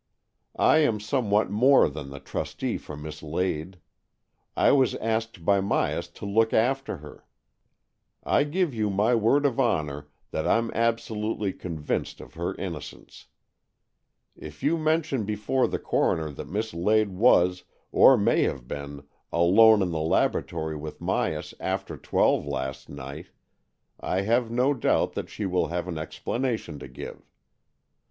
I am somewhat more than the trustee for Miss Lade. I was asked by Myas to look after her. I give you my word 118 AN EXCHANGE OF SOULS ot honour that Fm absolutely convinced of her innocence. If you mention before the coroner that Miss Lade was, or may have been, alone in the laboratory with Myas after twelve last night, I have no doubt that she will have an explanation to give.